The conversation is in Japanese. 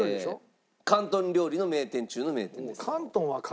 広東料理の名店中の名店です。